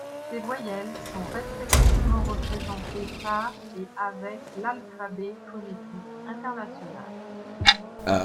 Ces voyelles sont respectivement représentées par et avec l’alphabet phonétique international.